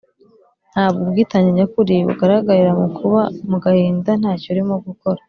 ntabwo ubwitange nyakuri bugaragarira mu kuba mu gahinda ntacyo urimo gukora